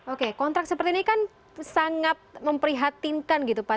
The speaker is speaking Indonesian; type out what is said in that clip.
oke kontrak seperti ini kan sangat memprihatinkan gitu pak